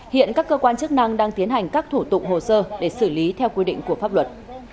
hiện các cơ quan chức năng đang tiến hành các thủ tục hồ sơ để xử lý theo quy định của pháp luật